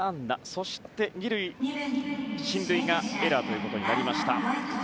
そして２塁への進塁はエラーということになりました。